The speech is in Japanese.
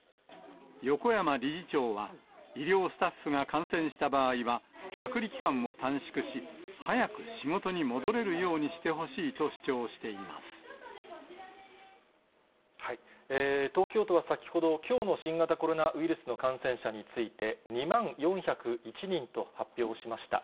横山理事長は、医療スタッフが感染した場合は、隔離期間を短縮し、早く仕事に戻れるようにしてほしいと主張して東京都は先ほど、きょうの新型コロナウイルスの感染者について、２万４０１人と発表しました。